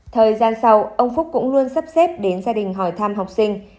thời gian sau ông phúc cũng luôn sắp xếp đến gia đình hỏi thăm học sinh